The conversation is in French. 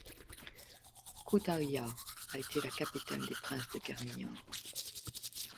Kütahya a été la capitale des princes de Germiyan.